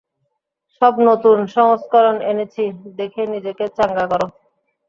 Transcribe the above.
সব নতুন সংস্করণ এনেছি, দেখে নিজেকে চাঙ্গা করো।